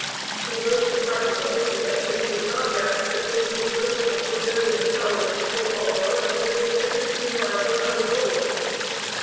He wrote to Cardinal Osius that he would not rest until he had broken up the Jesuit college in Pultowa and driven every schemer of them out of Poland.